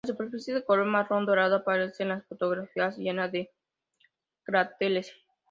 La superficie, de color marrón dorado, aparece en las fotografías llena de cráteres.